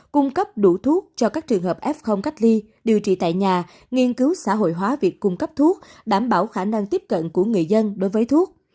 cung cấp đủ thuốc cho các trường hợp f cách ly điều trị tại nhà nghiên cứu xã hội hóa việc cung cấp thuốc đảm bảo khả năng tiếp cận của người dân đối với thuốc